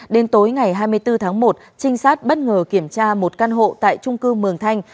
đến tối ngày hai mươi bốn tháng một trinh sát bất ngờ kiểm tra một căn hộ tại trung cư mường thanh